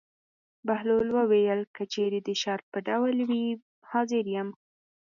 بهلول وویل: که چېرې د شرط په ډول وي حاضر یم.